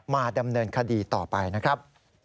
มาดำเนินคดีต่อไปนะครับ